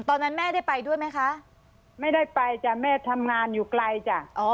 ตอนนั้นแม่ได้ไปด้วยไหมคะไม่ได้ไปจ้ะแม่ทำงานอยู่ไกลจ้ะอ๋อ